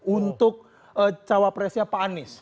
untuk cawapresnya pak anies